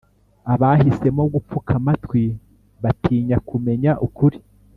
Abahisemo gupfuka amatwi batinya kumenya ukuri,